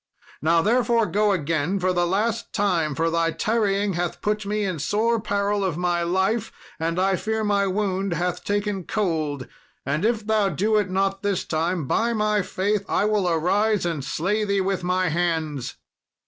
Now, therefore, go again for the last time, for thy tarrying hath put me in sore peril of my life, and I fear my wound hath taken cold; and if thou do it not this time, by my faith I will arise and slay thee with my hands."